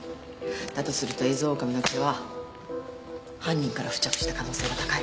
だとするとエゾオオカミの毛は犯人から付着した可能性が高い。